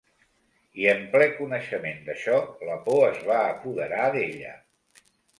I en ple coneixement d'això, la por es va apoderar d'ella.